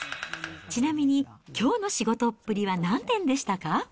ちなみに、きょうの仕事っぷりは何点でしたか？